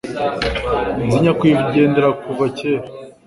Nzi nyakwigendera kuva kera.